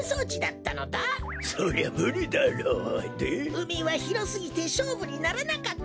うみはひろすぎてしょうぶにならなかったのだ。